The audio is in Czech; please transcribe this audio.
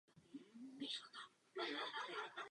Byla druhou ze čtyř dcer.